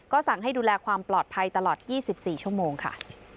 สั่งให้ดูแลความปลอดภัยตลอด๒๔ชั่วโมงค่ะ